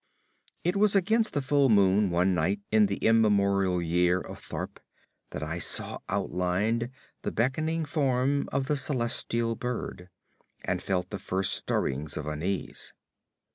It was against the full moon one night in the immemorial year of Tharp that I saw outlined the beckoning form of the celestial bird, and felt the first stirrings of unrest.